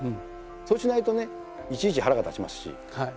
そうしないとねいちいち腹が立ちますし。